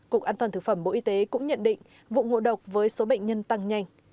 cục an toàn thực phẩm bộ y tế cũng nhận định vụ ngộ độc với số bệnh nhân tăng nhanh